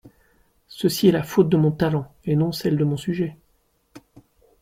Ceci est la faute de mon talent et non celle de mon sujet.